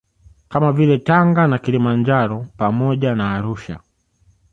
Kama vile Tanga na Kilimanjaro pamoja na Arusha